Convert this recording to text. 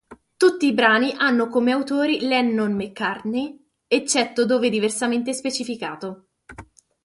Tutti i brani hanno come autori Lennon-McCartney, eccetto dove diversamente specificato.